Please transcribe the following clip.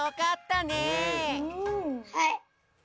はい。